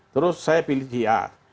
terus saya pilih si a